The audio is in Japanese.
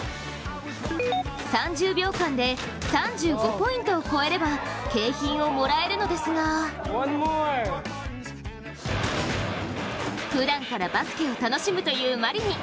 ３０秒間で３５ポイントを超えれば景品をもらえるのですがふだんからバスケを楽しむというマリニン。